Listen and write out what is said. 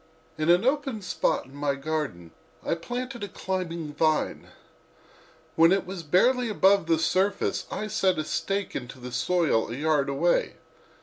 In an open spot in my garden I planted a climbing vine. When it was barely above the surface I set a stake into the soil a yard away.